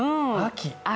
秋！